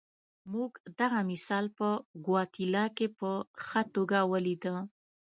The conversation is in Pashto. موږ دغه مثال په ګواتیلا کې په ښه توګه ولیده.